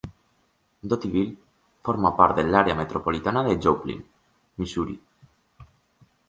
Dotyville forma part de l'àrea metropolitana de Joplin (Missouri).